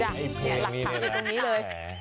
เหละก่อนอีกตรงนี้เลย